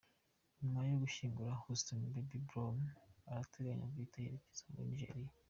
Nyuma yo gushyingura Houston, Bobby Brown arateganya guhita yerekeza muri Nigeria.